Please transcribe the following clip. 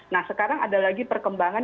nah sekarang ada lagi perkembangan